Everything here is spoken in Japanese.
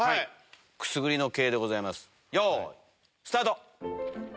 くすぐりの刑でございますよいスタート！